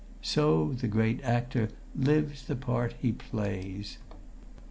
So the great actor lives the part he plays.